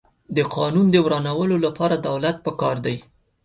د قانون د ورانولو لپاره دولت پکار دی.